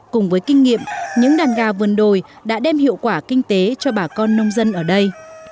cùng với kinh nghiệm những đàn gà vườn đồi đã đem hiệu quả kinh tế cho bà con nông dân ở đây